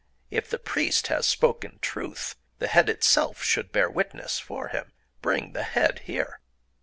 If the priest has spoken truth, the head itself should bear witness for him... Bring the head here!"